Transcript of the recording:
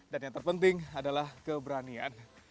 dan yang terpenting adalah keberanian